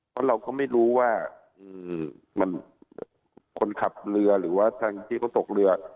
เพราะเราก็ไม่รู้ว่ามันคนขับเรือหรือว่าทางที่เขาตกเรือ